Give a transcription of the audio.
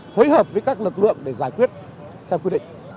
phối hợp với các lực lượng để giải quyết theo quy định